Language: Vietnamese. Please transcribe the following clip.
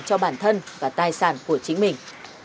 cho bản thân và tài sản của chính mình